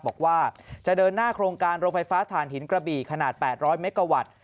บอกว่าจะเดินหน้าโครงการโรงไฟฟ้าฐานหินกระบี่ขนาด๘๐๐เมกาวัตต์